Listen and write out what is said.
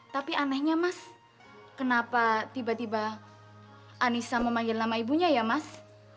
tapi anehnya mas kenapa tiba tiba anissa memanggil nama ibunya ya mas